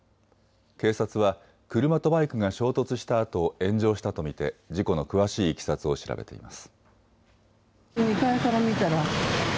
警察は車とバイクが衝突したあと炎上したと見て事故の詳しいいきさつを調べています。